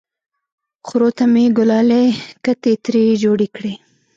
خرو ته مې ګلالۍ کتې ترې جوړې کړې!